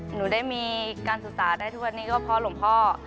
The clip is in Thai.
หนูได้มีการศึกษาได้ทุกวันนี้ก็เพราะหลวงพ่อ